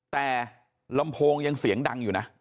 แต่ลำโพงยังเสียงดังอยู่นะ